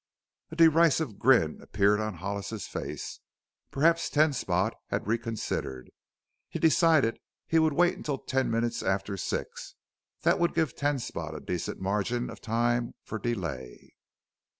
A derisive grin appeared on Hollis's face. Perhaps Ten Spot had reconsidered. He decided that he would wait until ten minutes after six; that would give Ten Spot a decent margin of time for delay.